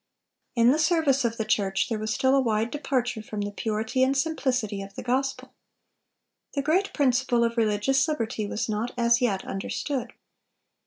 In the service of the church there was still a wide departure from the purity and simplicity of the gospel. The great principle of religious liberty was not as yet understood.